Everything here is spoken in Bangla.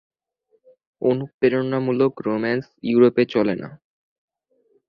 অনুপ্রেরণামূলক রোম্যান্স ইউরোপে চলে না।